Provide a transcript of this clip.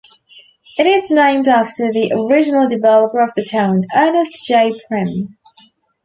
It is named after the original developer of the town, Ernest Jay Primm.